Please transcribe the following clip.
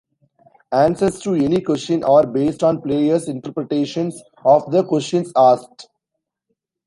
Answers to any question are based on players' interpretations of the questions asked.